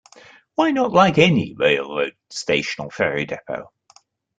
Why not like any railroad station or ferry depot.